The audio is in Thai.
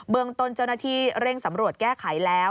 เมืองต้นเจ้าหน้าที่เร่งสำรวจแก้ไขแล้ว